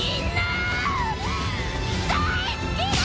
大好きだ‼